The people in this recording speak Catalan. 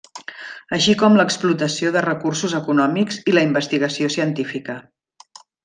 Així com l'explotació de recursos econòmics i la investigació científica.